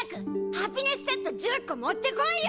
ハピネスセット１０個持ってこいよ！